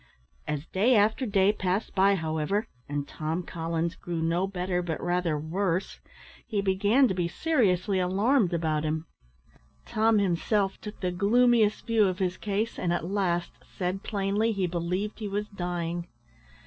As day after day passed by, however, and Tom Collins grew no better, but rather worse, he began to be seriously alarmed about him. Tom himself took the gloomiest view of his case, and at last said plainly he believed he was dying.